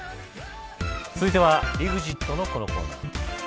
続いてはＥＸＩＴの、このコーナー。